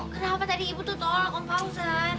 kenapa tadi ibu tuh tolong om fauzan